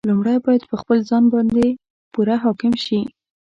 لومړی باید پر خپل ځان باندې پوره حاکم شي.